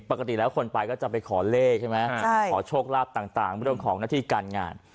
ปกติแล้วคนไปก็จะไปขอเลขใช่ไหมขอโชคลาภต่างเรื่องของหน้าที่การงาน